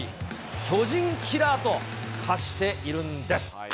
巨人キラーと化しているんです。